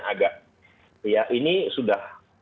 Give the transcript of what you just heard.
agak ya ini sudah